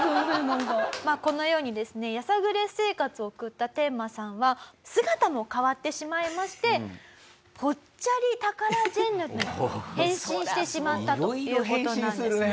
まあこのようにですねやさぐれ生活を送ったテンマさんはぽっちゃりタカラジェンヌに変身してしまったという事なんですね。